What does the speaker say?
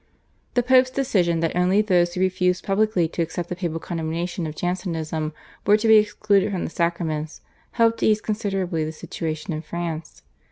The Pope's decision that only those who refused publicly to accept the papal condemnation of Jansenism were to be excluded from the sacraments helped to ease considerably the situation in France.